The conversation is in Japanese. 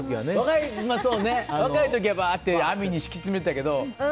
若い時は網に敷き詰めてたけど。